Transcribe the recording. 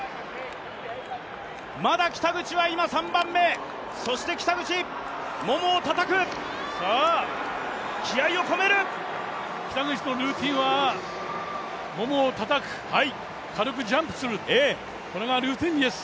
まだ北口は今３番目、そして北口ももをたたく、北口のルーティンはももをたたく軽くジャンプする、これがルーティンです。